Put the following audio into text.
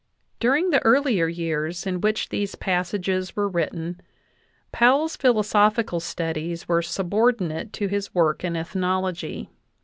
During the earlier years in which these passages were writ ten, Powell's philosophical studies were subordinate to his work in ethnology.